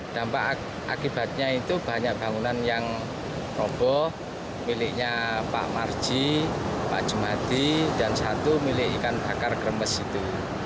dampak akibatnya itu banyak bangunan yang roboh miliknya pak marji pak jumadi dan satu milik ikan bakar kremes itu